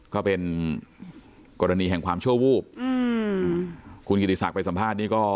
ก็เป็นกรณีแห่งความชั่ววูบอืมคุณกิติศักดิ์ไปสัมภาษณ์นี่ก็